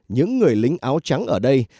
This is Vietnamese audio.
những người lính áo trắng ở đây